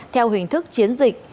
theo hình thức chiến dịch